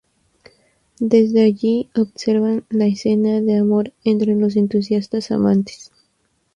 Desde allí, observan la escena de amor entre los entusiastas amantes.